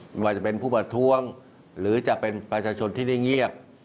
ไม่ว่าจะเป็นผู้ประท้วงหรือจะเป็นประชาชนที่ได้เงียบ